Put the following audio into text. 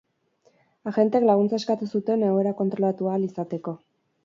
Agenteek laguntza eskatu zuten egoera kontrolatu ahal izateko.